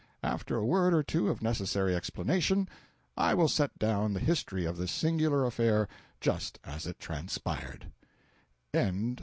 After a word or two of necessary explanation, I will set down the history of this singular affair just as it transpired.